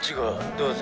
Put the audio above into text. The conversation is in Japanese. どうぞ。